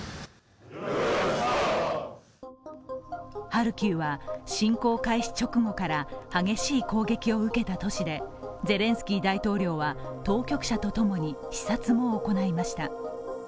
ハルキウは侵攻開始直後から激しい攻撃を受けた都市でゼレンスキー大統領は当局者と共に視察も行いました。